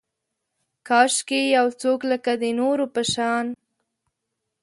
کاشکي یو څوک لکه، د نورو په شان